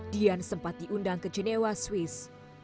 dian sempat diundang ke genewa swiss